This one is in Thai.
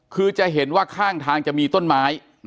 คือจะเห็นว่าข้างทางจะมีต้นไม้